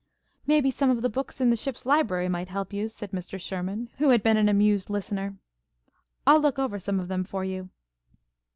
"Maybe some of the books in the ship's library might help you," said Mr. Sherman, who had been an amused listener. "I'll look over some of them for you."